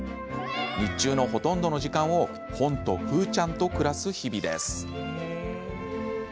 日中のほとんどの時間を本と楓ちゃんと暮らす日々です。